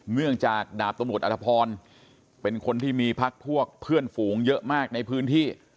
เนื่องจากดาบตำรวจอธพรเป็นคนที่มีพักพวกเพื่อนฝูงเยอะมากในพื้นที่